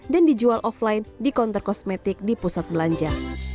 dan dijual offline di counter kosmetik di pusat belanja